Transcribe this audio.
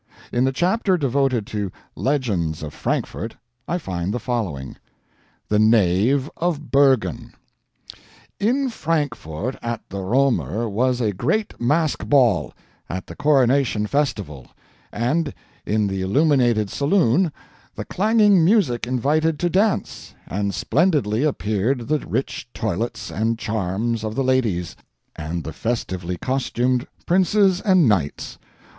In the chapter devoted to "Legends of Frankfort," I find the following: "THE KNAVE OF BERGEN" "In Frankfort at the Romer was a great mask ball, at the coronation festival, and in the illuminated saloon, the clanging music invited to dance, and splendidly appeared the rich toilets and charms of the ladies, and the festively costumed Princes and Knights.